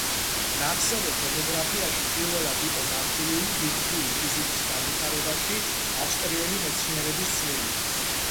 ნახსენებ მონოგრაფიაში პირველად იყო განხილული ბირთვული ფიზიკის განვითარებაში ავსტრიელი მეცნიერების წვლილი.